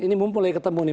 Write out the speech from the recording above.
ini mau mulai ketemu nih